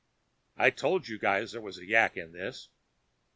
I told you guys there was a yak in this.